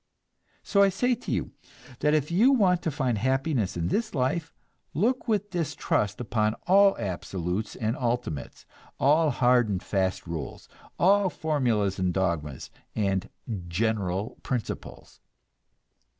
So I say to you that if you want to find happiness in this life, look with distrust upon all absolutes and ultimates, all hard and fast rules, all formulas and dogmas and "general principles."